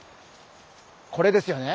これですよね